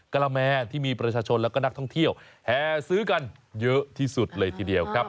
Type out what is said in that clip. กระแมที่มีประชาชนและก็นักท่องเที่ยวแห่ซื้อกันเยอะที่สุดเลยทีเดียวครับ